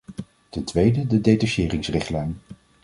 Ten tweede de detacheringsrichtlijn.